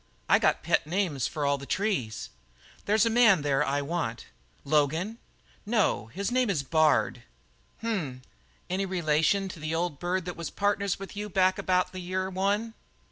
I got pet names for all the trees." "There's a man there I want." "Logan?" "No. His name is Bard." "H m! Any relation of the old bird that was partners with you back about the year one?"